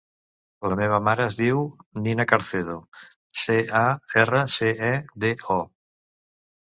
La meva mare es diu Nina Carcedo: ce, a, erra, ce, e, de, o.